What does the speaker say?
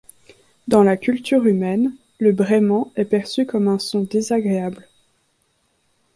Dans la culture humaine, le braiment est perçu comme un son désagréable.